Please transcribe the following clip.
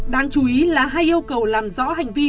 đáng chú ý là hai yêu cầu làm rõ hành vi